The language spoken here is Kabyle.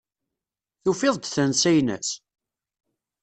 Tufiḍ-d tansa-ines?